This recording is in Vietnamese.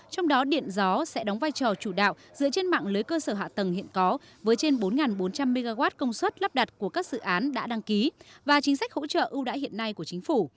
trong đó điện gió sẽ đóng vai trò chủ đạo dựa trên mạng lưới cơ sở hạ tầng hiện có với trên bốn bốn trăm linh mw công suất lắp đặt của các dự án đã đăng ký và chính sách hỗ trợ ưu đãi hiện nay của chính phủ